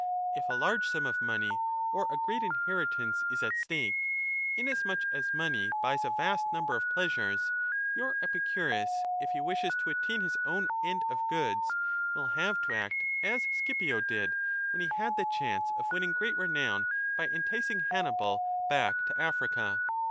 If a large sum of money or a great inheritance is at stake, inasmuch as money buys a vast number of pleasures, your Epicurus, if he wishes to attnm his own End of Goods, will have to act as Scipio did, when he had the chance of winning great renown by enticing Hannibal back to Africa.